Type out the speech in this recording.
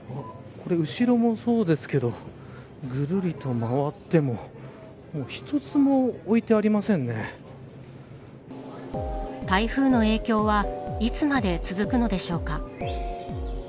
後ろもそうですけどぐるりと回っても台風の影響はいつまで続くのでしょうか。